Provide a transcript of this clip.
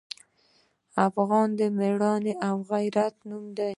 افغان د میړانې او غیرت نوم دی.